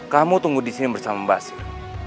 kamu tunggu di sini bersama basir